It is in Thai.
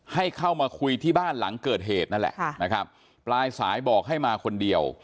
ให้เข้ามาคุยที่บ้านหลังเกิดเหตุนั่นแหละค่ะนะครับปลายสายบอกให้มาคนเดียว